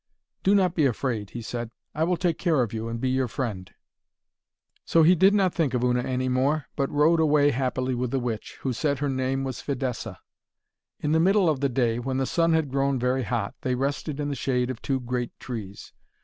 'Do not be afraid,' he said, 'I will take care of you, and be your friend.' So he did not think of Una any more, but rode away happily with the witch, who said her name was Fidessa. In the middle of the day, when the sun had grown very hot, they rested in the shade of two great trees.